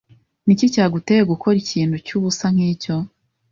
Niki cyaguteye gukora ikintu cyubusa nkicyo?